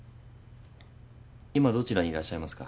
今どちらにいらっしゃいますか？